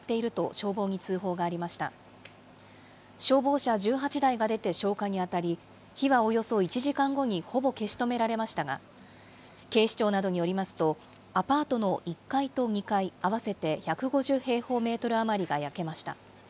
消防車１８台が出て消火に当たり、火はおよそ１時間後にほぼ消し止められましたが、警視庁などによりますと、アパートの１階と２階合わせて１５０平方メートル余りが焼けました。